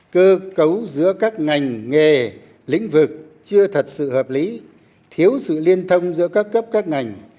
cơ cấu giữa các ngành nghề lĩnh vực chưa thật sự hợp lý thiếu sự liên thông giữa các cấp các ngành